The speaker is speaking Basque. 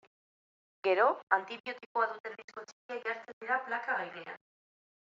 Gero, antibiotikoa duten disko txikiak jartzen dira plaka gainean.